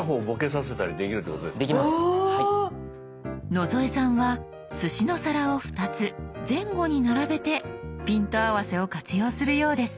野添さんはすしの皿を２つ前後に並べてピント合わせを活用するようです。